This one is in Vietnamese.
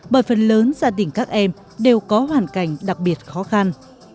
bởi phần lớn gia đình các em đều có hoàn cảnh đặc biệt khó khăn